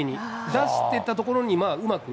出してたところにまあ、うまく。